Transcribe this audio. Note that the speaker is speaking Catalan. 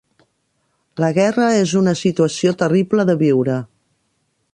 La guerra és una situació terrible de viure.